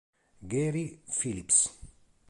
Gary Phillips